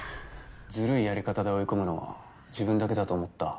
ズルいやり方で追い込むのは自分だけだと思った？